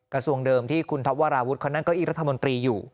กระทรวงเดิมที่คุณท็อปวราวุฒิเขานั่งเก้าอี้รัฐมนตรีอยู่